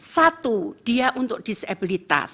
satu dia untuk disabilitas